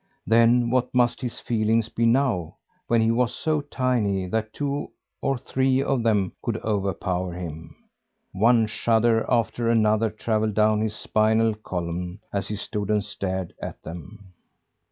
Then what must his feelings be now, when he was so tiny that two or three of them could overpower him? One shudder after another travelled down his spinal column as he stood and stared at them.